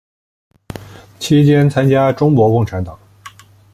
期间参加中国共产党。